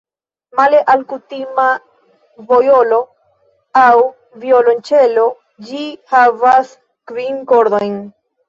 Male al kutima vjolo aŭ violonĉelo ĝi havas kvin kordojn.